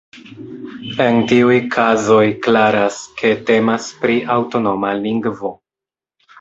En tiuj kazoj klaras, ke temas pri aŭtonoma lingvo.